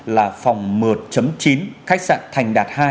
là phòng một chín khách sạn thành đạt hai